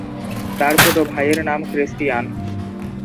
তার ছোট ভাইয়ের নাম ক্রিস্টিয়ান।